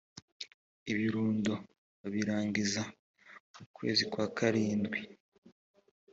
ibirundo babirangiza mu kwezi kwa karindwi